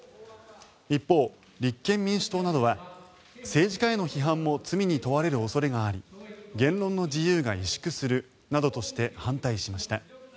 一方、立憲民主党などは政治家への批判も罪に問われる恐れがあり言論の自由が萎縮するなどとして反対しました。